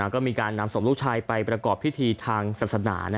ก็มีการนำศพลูกชายไปประกอบพิธีทางศาสนา